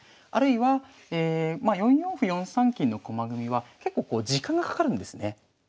あるいは４四歩４三金の駒組みは結構時間がかかるんですね。